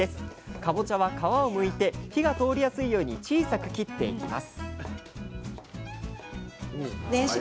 かぼちゃは皮をむいて火が通りやすいように小さく切っていきます